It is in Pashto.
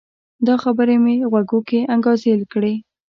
دا خبرې مې غوږو کې انګازې کړي